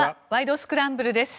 スクランブル」です。